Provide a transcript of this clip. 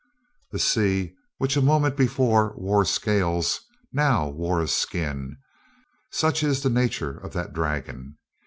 The sea, which a moment before wore scales, now wore a skin such is the nature of that dragon.